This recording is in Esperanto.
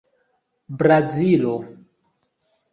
Brazilo